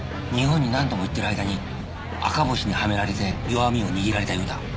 日本に何度も行ってる間に赤星にはめられて弱みを握られたようだ。